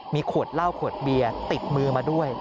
มีขวดเหล้าขวดเบียร์ติดมือมาด้วย